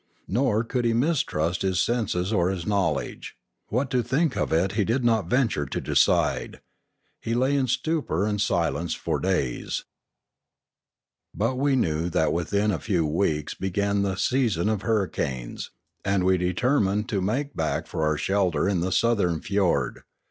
Nor could he mistrust his senses or his knowledge. What to think of it he did not venture to decide. He lay in stupor and silence for days. But we knew that within a few weeks began the season of hurricanes; and we determined to make back for our shelter in the southern fiord.